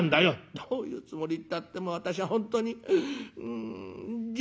「どういうつもりったって私は本当にうんじれったい！」。